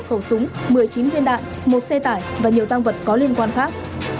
một khẩu súng một mươi chín viên đạn một xe tải và nhiều tăng vật có liên quan khác